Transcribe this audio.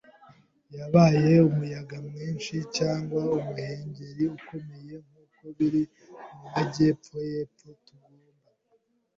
yabaye umuyaga mwinshi cyangwa umuhengeri ukomeye, nkuko biri mumajyepfo yepfo, tugomba